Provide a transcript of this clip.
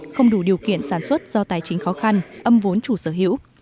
không đủ điều kiện sản xuất do tài chính khó khăn âm vốn chủ sở hữu